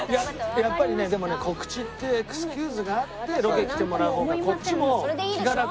やっぱりねでもね告知っていうエクスキューズがあってロケ来てもらう方がこっちも気が楽。